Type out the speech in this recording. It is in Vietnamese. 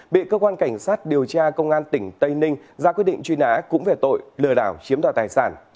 bị cơ quan cảnh sát điều tra công an tỉnh tây ninh ra quyết định truy nã cũng về tội lừa đảo chiếm đoạt tài sản